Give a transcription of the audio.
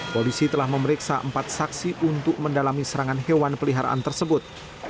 polisi telah memeriksa empat saksi untuk mendalami serangan hewan peliharaan tersebut